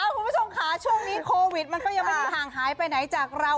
คุณผู้ชมค่ะช่วงนี้โควิดมันก็ยังไม่ได้ห่างหายไปไหนจากเรา